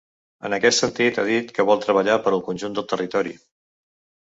En aquest sentit, ha dit que vol treballar per al conjunt del territori.